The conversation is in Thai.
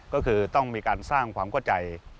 ก็คือต้องมีการสร้างความเข้าใจ